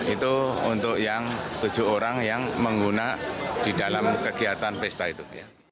itu untuk yang tujuh orang yang mengguna di dalam kegiatan pesta itu